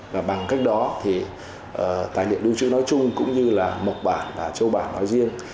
và bằng cách đó tài liệu lưu trữ nói chung cũng như mộc bản và châu bản nói riêng